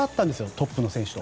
トップの選手と。